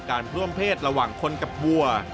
การเพิ่มเพศระหว่างคนกับวัว